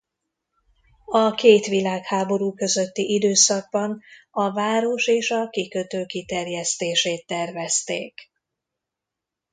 A két világháború közötti időszakban a város és a kikötő kiterjesztését tervezték.